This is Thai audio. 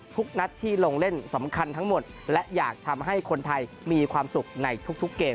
ทุกนัดที่ลงเล่นสำคัญทั้งหมดและอยากทำให้คนไทยมีความสุขในทุกเกม